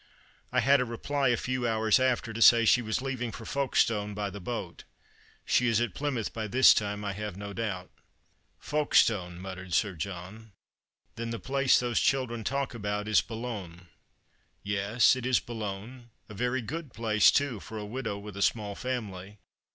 I had a reply a few hours after to say she was leaving for Folkestone by the boat. She is at Plymouth by this time, I have no doubt." " Folkestone !" muttered Sir John, " Then the place those children talk about is Boulogne." "Yes, it is Boulogne — a very good place, too, for a widow with a small family.